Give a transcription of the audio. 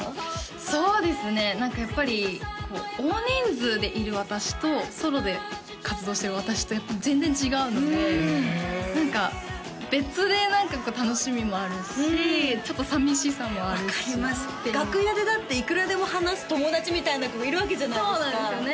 そうですね何かやっぱり大人数でいる私とソロで活動してる私とやっぱ全然違うので何か別で楽しみもあるしちょっと寂しさもあるし分かります楽屋でだっていくらでも話す友達みたいな子がいるわけじゃないですかそうなんですよね